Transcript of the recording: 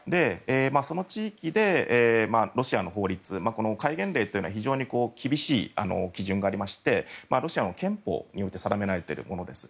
その地域でロシアの法律戒厳令というのは非常に厳しい基準がありましてロシアの憲法によって定められていることです。